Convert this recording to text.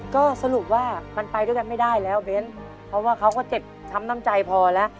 ก็สรุปว่ามันไปด้วยกันไม่ได้แล้วเบ้นเพราะว่าเขาก็เจ็บช้ำน้ำใจพอแล้ว